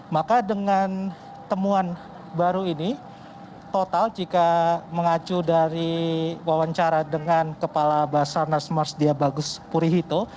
maka dengan temuan baru ini total jika mengacu dari wawancara dengan kepala basarnas marsdia bagus purihito